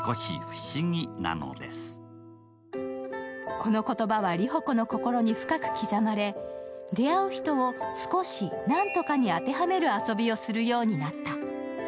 この言葉は理帆子の心に深く刻まれ、出会う人を「すこし・なんとか」に当てはめる遊びをするようになった。